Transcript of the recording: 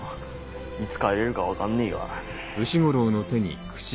いつ帰れるか分かんねえが。